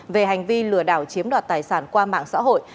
về hành vi lừa đảo chiếm đoạt tài sản qua mạng xã hội